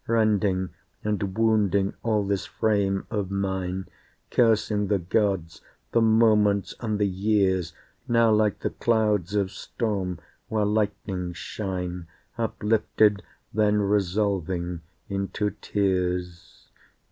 Rending and wounding all this frame of mine, Cursing the Gods, the moments and the years, Now like the clouds of storm, where lightnings shine, Uplifted, then resolving into tears.